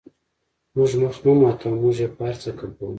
زموږ مخ مه ماتوه موږ یې په هر څه قبلوو.